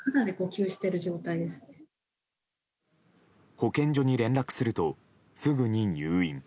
保健所に連絡するとすぐに入院。